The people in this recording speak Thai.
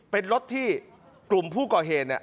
เป็นรถที่กลุ่มผู้ก่อเหตุ